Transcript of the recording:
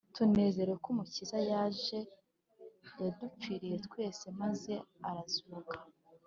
tunezerewe ko umukiza yaje yadupfiriye twese maze arazuka